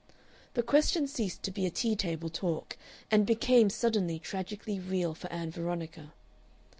The question ceased to be a tea table talk, and became suddenly tragically real for Ann Veronica.